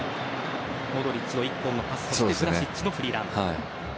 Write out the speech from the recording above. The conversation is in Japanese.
モドリッチの１本のパスとヴラシッチのフリーラン。